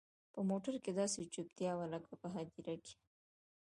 په موټر کښې داسې چوپتيا وه لكه په هديره کښې.